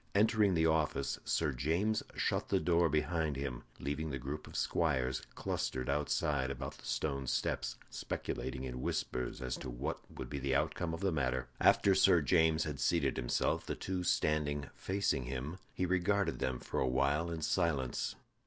Entering the office, Sir James shut the door behind him, leaving the group of squires clustered outside about the stone steps, speculating in whispers as to what would be the outcome of the matter. After Sir James had seated himself, the two standing facing him, he regarded them for a while in silence.